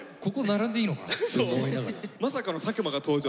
まさかの作間が登場。